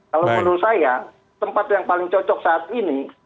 kalau menurut saya tempat yang paling cocok saat ini